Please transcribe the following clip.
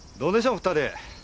お二人。